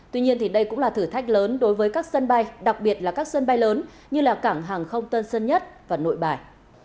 tuy nhiên đây cũng là thử thách lớn đối với các sân bay đặc biệt là các sân bay lớn như cảng hàng không tân sơn nhất và nội bài